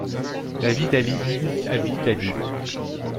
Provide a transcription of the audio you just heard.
La vie d'Ali ibn Abi Talib...